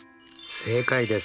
正解です。